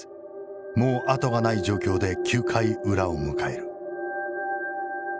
もう後がない状況で９回裏を迎える。